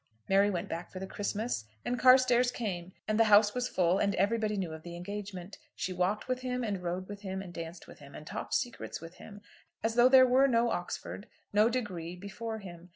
Mary went back for the Christmas and Carstairs came; and the house was full, and everybody knew of the engagement. She walked with him, and rode with him, and danced with him, and talked secrets with him, as though there were no Oxford, no degree before him.